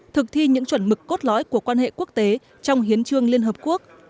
thực thi những chuẩn mực cốt lõi của quan hệ quốc tế trong hiến trương liên hợp quốc